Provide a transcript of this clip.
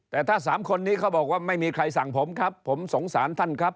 แต่ถ้าสามคนนี้เขาบอกว่าไม่มีใครสั่งผมครับผมสงสารท่านครับ